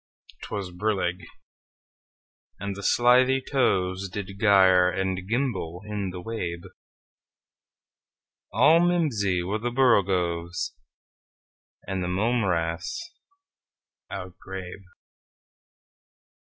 'T was brillig, and the slithy tovesDid gyre and gimble in the wabe; All mimsy were the borogoves, And the mome raths outgrabe.